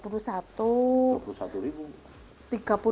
murah ya bu ya